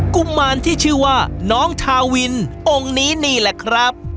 กุมารที่ชื่อว่าน้องทาวินองค์นี้นี่แหละครับ